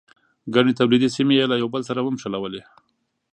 ګڼې تولیدي سیمې یې له یو بل سره ونښلولې.